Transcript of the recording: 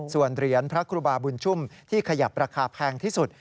ส่วนเหรียญพระครูบาบุญชุ่มที่ขยับราคาแพงที่สุด